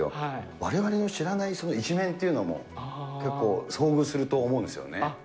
われわれの知らない一面っていうのも、結構、遭遇すると思うんですよね。